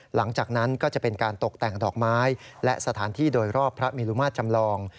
หลังจากนั้นก็จะเป็นการตกแต่งดอกไม้และสถานที่โดยรอบพระมิลุมาตรจำลอง